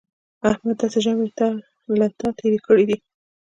احمد داسې ژامې تر له تېرې کړې دي